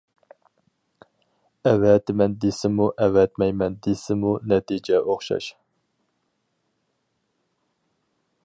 ئەۋەتىمەن دېسىمۇ ئەۋەتمەيمەن دېسىمۇ نەتىجە ئوخشاش.